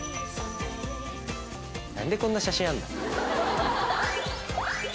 何でこんな写真あるんだ？